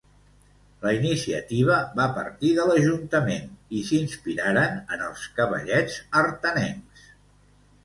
La iniciativa va partir de l'ajuntament i s'inspiraren en els cavallets artanencs.